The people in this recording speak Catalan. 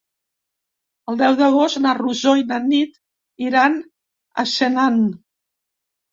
El deu d'agost na Rosó i na Nit iran a Senan.